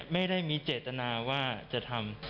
ไม่ได้มีเจตนาว่าจะทำ